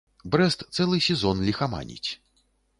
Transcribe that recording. Брэст цэлы сезон ліхаманіць.